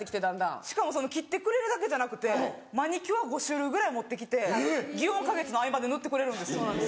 しかも切ってくれるだけじゃなくてマニキュア５種類ぐらい持って来て園花月の合間で塗ってくれるんです。